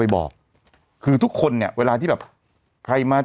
ซึ่งมันบอกว่า